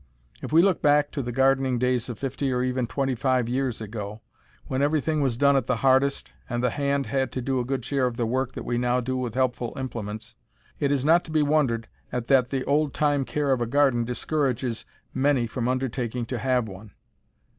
If we look back to the gardening days of fifty or even twenty five years ago, when everything was done at the hardest and the hand had to do a good share of the work that we now do with helpful implements, it is not to be wondered at that the old time care of a garden discourages many from undertaking to have one.